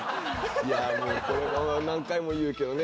いやこれ何回も言うけどね